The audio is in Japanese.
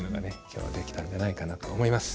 今日はできたんじゃないかなと思います。